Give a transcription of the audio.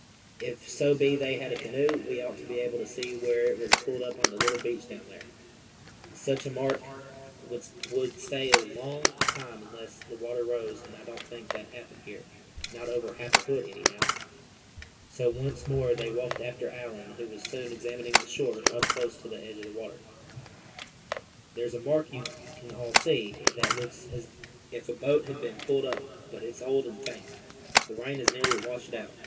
"If so be they had a canoe, we ought to be able to see where it was pulled up on the little beach down here. Such a mark would stay a long time unless the water rose, and I don't think that happened here, not over half a foot, anyhow." So once more they walked after Allan, who was soon examining the shore close to the edge of the water. "There's a mark you can all see, that looks as if a boat had been pulled up, but it's old and faint. The rain has nearly washed it out.